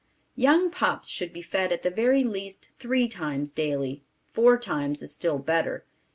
Young pups should be fed at the very least three times daily, four times is still better.